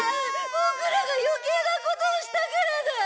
ボクらが余計なことをしたからだ。